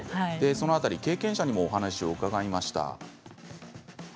経験者にもお話を伺いました。